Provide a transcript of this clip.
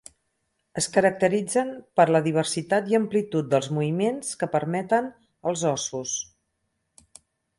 Es caracteritzen per la diversitat i amplitud dels moviments que permeten als ossos.